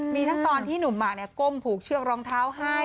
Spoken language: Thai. มีทั้งตอนที่หนุ่มมากก้มผูกเชือกรองเท้าให้